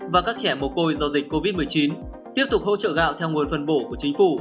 và các trẻ mồ côi do dịch covid một mươi chín tiếp tục hỗ trợ gạo theo nguồn phân bổ của chính phủ